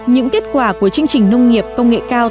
những kết quả của chương trình nông nghiệp công nghệ cao